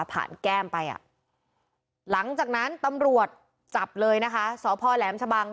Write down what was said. แก้มไปอ่ะหลังจากนั้นตำรวจจับเลยนะคะสพแหลมชะบัง